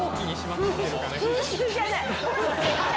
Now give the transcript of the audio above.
風習じゃない。